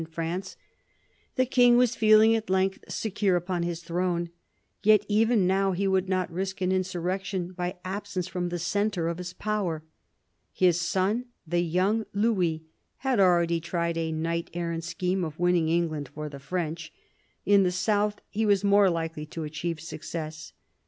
in France. The king was feeling at length secure upon his throne. Yet even now he would not risk an insurrection by absence from the centre of his power. His son, the young Louis, had already tried a knight errant scheme of winning England for the French. In the south he was more likely to achieve success.